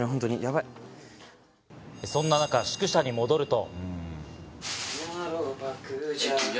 そんな中宿舎に戻ると。